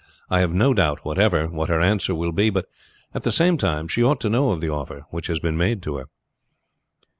I have no doubt whatever what her answer will be, but at the same time she ought to know of the offer which has been made to her."